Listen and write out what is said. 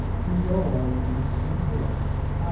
He go on de steel grey. Ha!